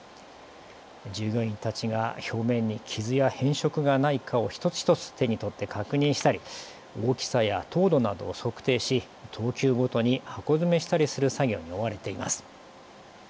従業員たちが表面に傷や変色がないかを一つ一つ手に取って確認したり大きさや糖度などを測定し等級ごとに箱詰めしたりする作業に追われています。